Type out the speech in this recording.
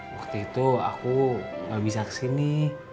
waktu itu aku gak bisa kesini